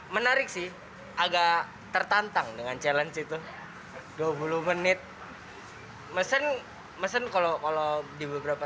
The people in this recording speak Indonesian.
menarik sih agak tertantang dengan challenge itu dua puluh menit mesen mesen kalau kalau di beberapa